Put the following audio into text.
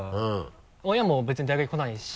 親も別に大学に来ないし。